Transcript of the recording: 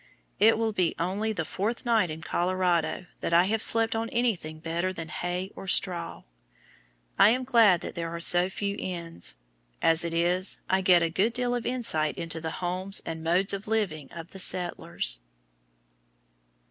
It will be only the fourth night in Colorado that I have slept on anything better than hay or straw. I am glad that there are so few inns. As it is, I get a good deal of insight into the homes and modes of living of the settlers.